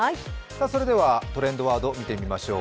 それではトレンドワード見てみましょう。